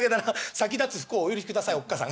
先立つ不孝をお許しくださいおっ母さん。